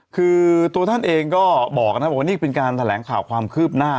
คือตัวท่านเองก็บอกว่าวันนี้เป็นการแถลงข่าวความคืบหน้า